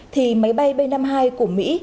thì máy bay b năm mươi hai của mỹ